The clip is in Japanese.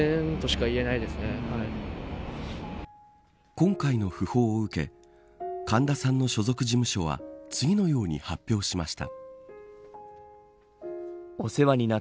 今回の訃報を受け神田さんの所属事務所は次のように発表しました。